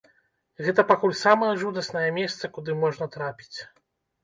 Гэта пакуль самае жудаснае месца, куды можна трапіць.